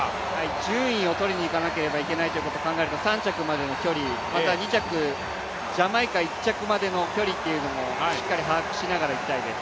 順位をとりにいかなければいけないことを考えると３着までの距離、また２着、ジャマイカ１着までの距離というのもしっかり把握しながらいきたいです。